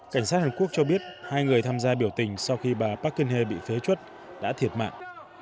cảnh sát hàn quốc cho biết hai người tham gia biểu tình sau khi bà park geun hye bị phê chuất đã thiệt mạng